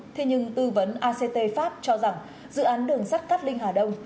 thì nhưng tư vấn act pháp cho rằng dự án đường sắt cắt linh hà đông